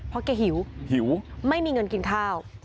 เพราะแกหิวหิวไม่มีเงินกินข้าว